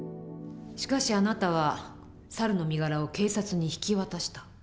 しかしあなたは猿の身柄を警察に引き渡した。